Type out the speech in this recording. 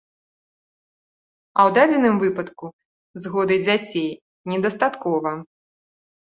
А ў дадзеным выпадку згоды дзяцей недастаткова.